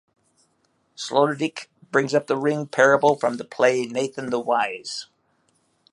Sloterdijk brings up the ring parable from the play "Nathan the Wise".